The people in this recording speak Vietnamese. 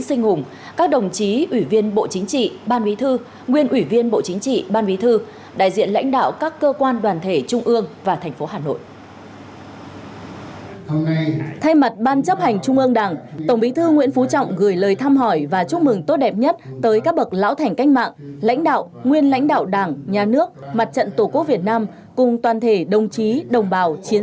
xin chào quý vị và các bạn